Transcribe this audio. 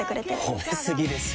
褒め過ぎですよ。